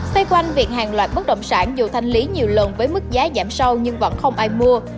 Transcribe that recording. xoay quanh việc hàng loạt bất động sản dù thanh lý nhiều lần với mức giá giảm sâu nhưng vẫn không ai mua